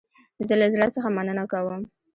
زه له زړه څخه مننه کوم